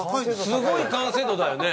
すごい完成度だよね。